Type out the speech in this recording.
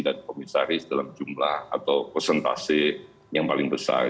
dan komisaris dalam jumlah atau presentasi yang paling besar